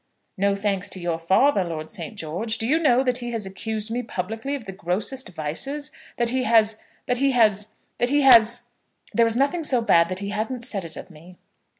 "No thanks to your father, Lord St. George. Do you know that he has accused me publicly of the grossest vices; that he has, that he has, that he has . There is nothing so bad that he hasn't said it of me."